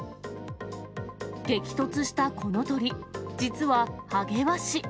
激突したこの鳥、実は、ハゲワシ。